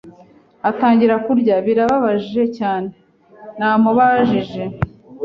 atangira kurya. “Birababaje cyane?” Namubajije.